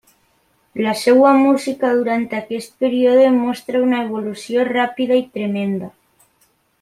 La seua música durant aquest període mostra una evolució ràpida i tremenda.